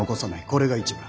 これが一番。